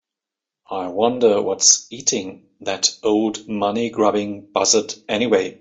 I wonder what's eating that old money grubbing buzzard anyway?